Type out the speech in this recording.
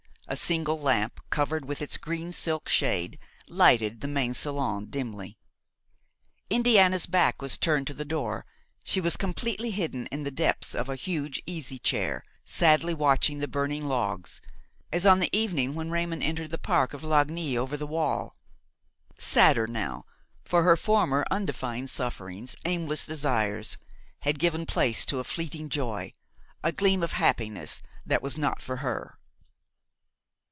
A single lamp, covered with its green silk shade, lighted the main salon dimly. Indiana's back was turned to the door; she was completely hidden in the depths of a huge easy chair, sadly watching the burning logs, as on the evening when Raymon entered the park of Lagny over the wall; sadder now, for her former undefined sufferings, aimless desires had given place to a fleeting joy, a gleam of happiness that was not for her.